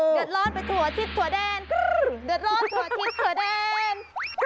เดือนร้อนไปทั่วทุกแดนเดือนร้อนไปทั่วทุกแดน